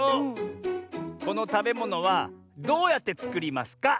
このたべものはどうやってつくりますか？